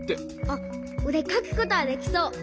あっおれかくことはできそう！